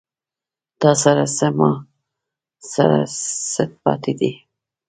تاســـره څـــه، ما ســـره څه پاتې دي